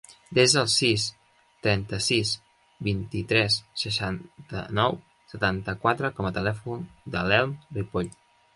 Desa el sis, trenta-sis, vint-i-tres, seixanta-nou, setanta-quatre com a telèfon de l'Elm Ripoll.